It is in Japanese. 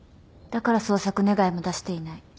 だから捜索願も出していない。